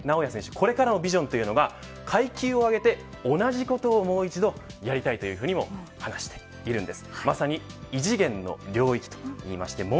これからのビジョンというのが階級を上げて、もう一度同じことをやりたいというふうにも話しているんです。